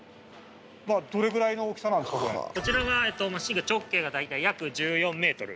こちらがマシンが直径が大体約１４メートル。